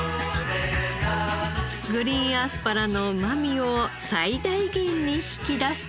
グリーンアスパラのうまみを最大限に引き出したムース。